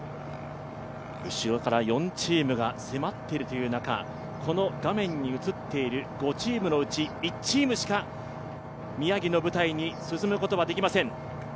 後ろから４チームが迫っている中この画面に映っている５チームのうち、１チームしか宮城の舞台に進むことはできません。